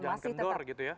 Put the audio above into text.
jangan kentor gitu ya